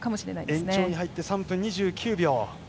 延長に入って３分２９秒。